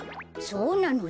そうなの？